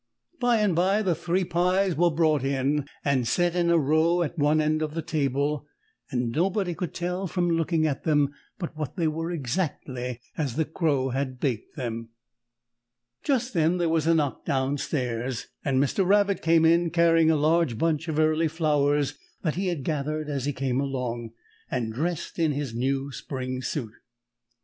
By and by the three pies were brought in and set in a row at one end of the table, and nobody could tell from looking at them but what they were exactly as the Crow had baked them. [Illustration: MR. RABBIT CAME IN CARRYING A LARGE BUNCH OF EARLY FLOWERS.] Just then there was a knock down stairs, and Mr. Rabbit came in carrying a large bunch of early flowers that he had gathered as he came along, and dressed in his new spring suit.